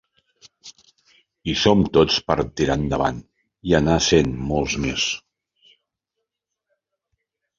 Hi som tots per a tirar endavant i anar essent molts més.